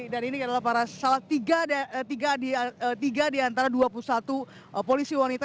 dan ini adalah para salah tiga di antara dua puluh satu polisi wanita